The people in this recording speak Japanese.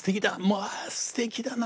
まあすてきだな。